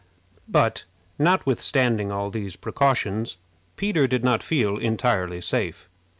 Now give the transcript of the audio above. But, notwithstanding all these precautions, Peter did not feel entirely safe.